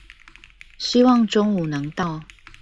希望中午能到